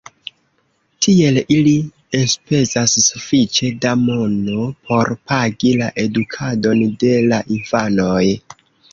Tiel ili enspezas sufiĉe da mono por pagi la edukadon de la infanoj.